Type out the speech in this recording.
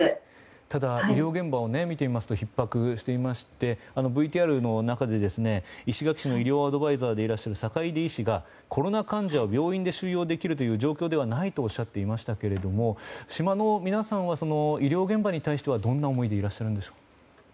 ただ医療現場を見てみますとひっ迫していましてＶＴＲの中で石垣市の医療アドバイザーである境田医師がコロナ患者を病院で収容できるという状況ではないとおっしゃっていましたけれども島の皆さんは医療現場に対してどんな思いでいらっしゃるんでしょう？